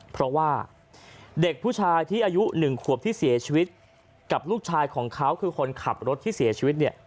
เพราะว่าเด็กผู้ชายที่อายุ๑ขวบที่เสียชีวิตกับลูกชายของเขาคือคนขับรถที่เสียชีวิตเนี่ย